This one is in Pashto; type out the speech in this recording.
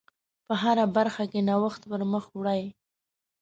په هره برخه کې نوښت پر مخ وړئ.